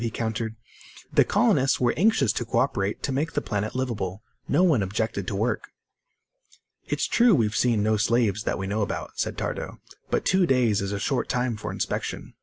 he countered. "The colonists were anxious to co operate to make the planet liveable. No one objected to work." "It's true we've seen no slaves, that we know about," said Tardo. "But two days is a short time for inspection.